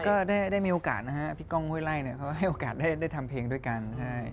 ก็ได้มีโอกาสพี่กองโฮยไล่เค้าให้โอกาสได้ทำเพลงด้วยกัน